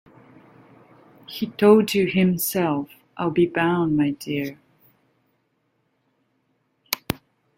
He told you himself, I'll be bound, my dear?